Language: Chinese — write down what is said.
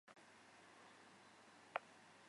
白花头嘴菊为菊科头嘴菊属的植物。